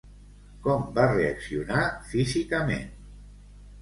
Com va reaccionar físicament?